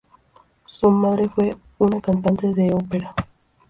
Su madre fue una cantante de ópera.